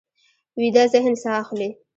ویده ذهن ساه اخلي